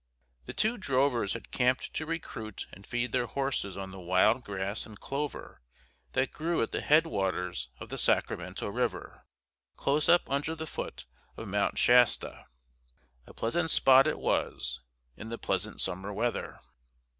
The two drovers had camped to recruit and feed their horses on the wild grass and clover that grew at the headwaters of the Sacramento River, close up under the foot of Mount Shasta. A pleasant spot it was, in the pleasant summer weather.